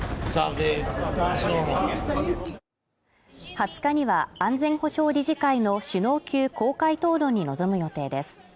２０日には安全保障理事会の首脳級公開討論に臨む予定です